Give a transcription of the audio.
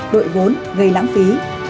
đội vốn gây lãng phí